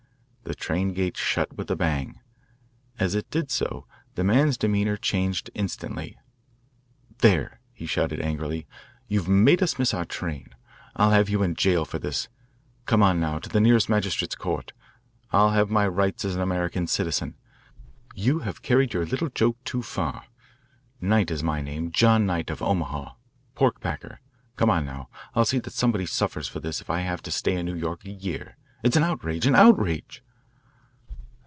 The train gate shut with a bang. As it did so the man's demeanour changed instantly. " There," he shouted angrily, "'you have made us miss our train. I'll have you in jail for this. Come on now to the nearest magistrate's court. I'll have my rights as an American citizen. You have carried your little joke too far. Knight is my name John Knight, of Omaha, pork packer. Come on now. I'll see that somebody suffers for this if I have to stay in New York a year. It's an outrage an outrage."